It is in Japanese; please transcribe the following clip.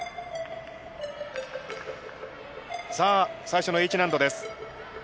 さあ最初のＨ難度です。